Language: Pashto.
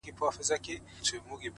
د زړې دروازې زنګ تل یو ډول داستان لري.!